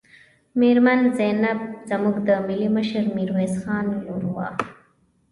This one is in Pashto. میرمن زینب زموږ د ملي مشر میرویس خان لور وه.